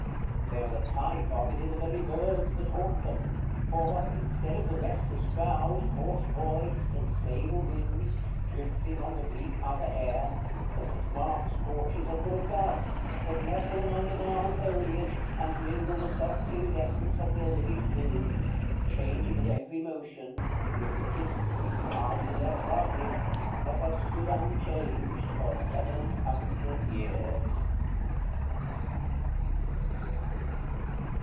There is a type of it in the very birds that haunt them; for, instead of the restless crowd, hoarse voiced and sable winged, drifting on the bleak upper air, the St. Mark's porches are full of doves, that nestle among the marble foliage, and mingle the soft iridescence of their living plumes, changing at every motion, with the tints, hardly less lovely, that have stood unchanged for seven hundred years.